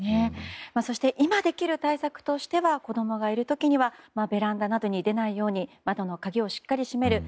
そして今できる対策として子供がいる時にはベランダなどに出ないように窓の鍵をしっかり閉める。